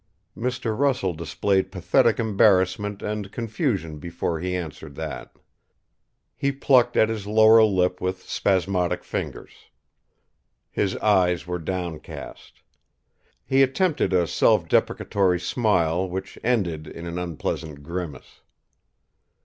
Mr. Russell displayed pathetic embarrassment and confusion before he answered that. He plucked at his lower lip with spasmodic fingers. His eyes were downcast. He attempted a self deprecatory smile which ended in an unpleasant grimace.